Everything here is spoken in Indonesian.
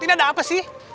ini ada apa sih